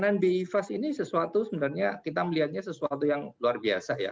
sembilan bi fast ini sesuatu sebenarnya kita melihatnya sesuatu yang luar biasa ya